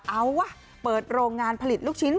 เอาว่ะเปิดโรงงานผลิตลูกชิ้น